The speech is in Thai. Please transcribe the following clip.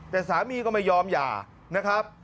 แต่สามีก็ไม่ยอมหย่านะครับ